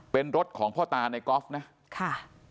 เป็นรถของพ่อตาในกอล์ฟนะค่ะ